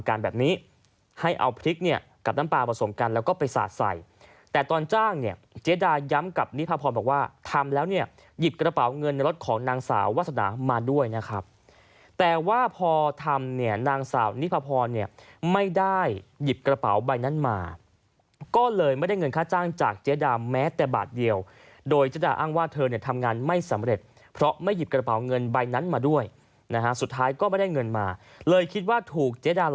กับนิพาพรบอกว่าทำแล้วเนี่ยหยิบกระเป๋าเงินในรถของนางสาววัศดามาด้วยนะครับแต่ว่าพอทำเนี่ยนางสาวนิพาพรเนี่ยไม่ได้หยิบกระเป๋าใบนั้นมาก็เลยไม่ได้เงินค่าจ้างจากเจ๊ดาแม้แต่บาทเดียวโดยเจ๊ดาอ้างว่าเธอเนี่ยทำงานไม่สำเร็จเพราะไม่หยิบกระเป๋าเงินใบนั้นมาด้วยนะฮะสุด